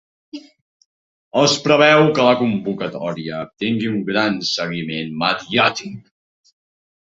Es preveu que la convocatòria tingui un gran seguiment mediàtic.